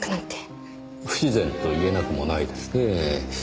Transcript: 不自然と言えなくもないですねぇ。